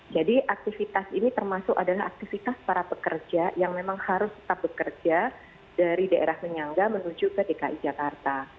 jadi aktivitas ini termasuk adalah aktivitas para pekerja yang memang harus tetap bekerja dari daerah menyangga menuju ke dki jakarta